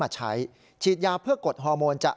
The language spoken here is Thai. ฉีดยาเพื่อกดฮอร์โมน